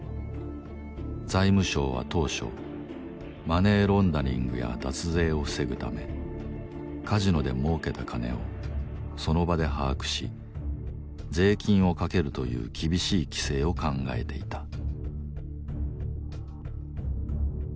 財務省は当初マネーロンダリングや脱税を防ぐためカジノで儲けた金をその場で把握し税金をかけるという厳しい規制を考えていた